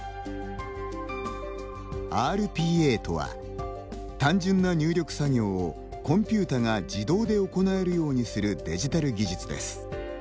ＲＰＡとは、単純な入力作業をコンピュータが自動で行えるようにするデジタル技術です。